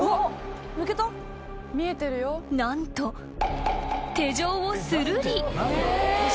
［何と手錠をするり］